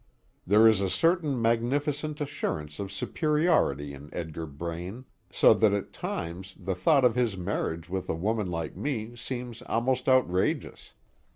There is a certain magnificent assurance of superiority in Edgar Braine, so that at times the thought of his marriage with a woman like me seems almost outrageous.